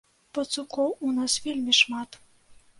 Пацукоў у нас вельмі шмат.